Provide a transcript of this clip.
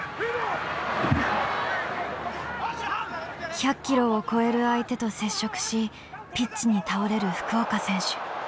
１００ｋｇを超える相手と接触しピッチに倒れる福岡選手。